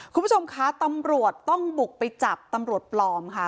คุณผู้ชมคะตำรวจต้องบุกไปจับตำรวจปลอมค่ะ